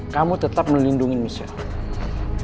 kamu tetap melindungi michelle